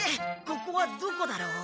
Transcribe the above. ここはどこだろう？